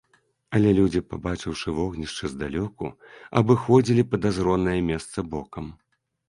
Але людзі, пабачыўшы вогнішча здалёку, абыходзілі падазронае месца бокам.